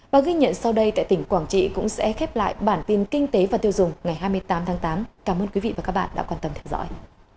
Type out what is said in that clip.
và ghi nhận sau đây tại tỉnh quảng trị cũng sẽ khép lại bản tin kinh tế và tiêu dùng ngày hai mươi tám tháng tám cảm ơn quý vị và các bạn đã quan tâm theo dõi